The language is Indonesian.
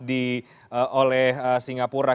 di oleh singapura